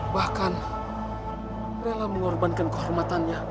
bahkan aku tidak pernah mengorbankan kehormatannya